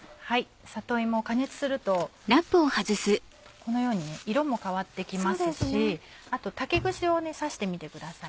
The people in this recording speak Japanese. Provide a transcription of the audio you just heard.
里芋を加熱するとこのように色も変わって来ますしあと竹串を刺してみてください。